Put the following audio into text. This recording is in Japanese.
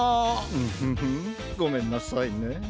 ウフフごめんなさいね。